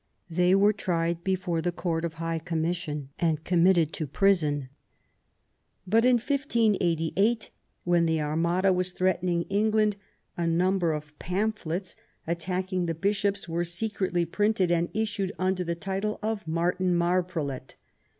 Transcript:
They were tried before the Court of High Commission and committed to prison. But, in 1588, when the Armada was threatening England, a number of pamphlets attacking the Bishops were secretly printed and issued under the name of " Martin Marprelate